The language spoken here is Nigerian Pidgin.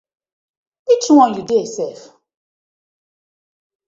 Which one yu dey sef?